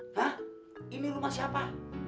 hah ini rumah siapa